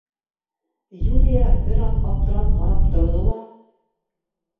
Юлия бер аҙ аптырап ҡарап торҙо ла: